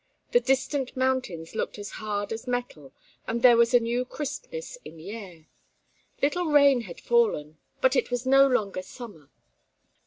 The distant mountains looked as hard as metal and there was a new crispness in the air. Little rain had fallen, but it was no longer summer.